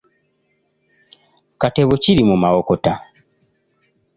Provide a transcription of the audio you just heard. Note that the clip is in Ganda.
katebo kiri mu mawokota.